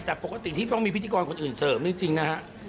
แต่ปกติที่ต้องมีพิธีกรคนอื่นเสริมจริงนะฮะ